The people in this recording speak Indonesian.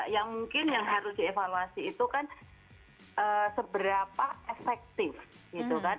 yang mungkin yang harus dievaluasi itu kan seberapa efektif gitu kan